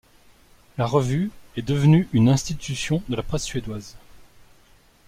La revue est devenue une institution de la presse suédoise.